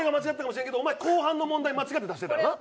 でもお前、後半の問題間違って出してたよな？